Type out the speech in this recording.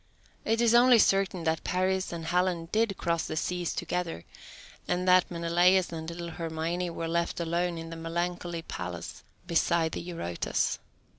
It is only certain that Paris and Helen did cross the seas together, and that Menelaus and little Hermione were left alone in the melancholy palace beside the Eurotas.